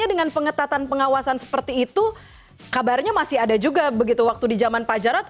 karena pengetatan pengawasan seperti itu kabarnya masih ada juga begitu waktu di zaman pak jarad